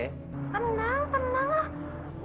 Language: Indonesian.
tenang tenang lah